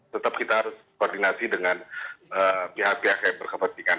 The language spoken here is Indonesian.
tetap kita harus koordinasi dengan pihak pihak yang berkepentingan